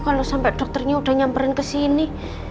kalo sampe dokternya udah nyamperin kesini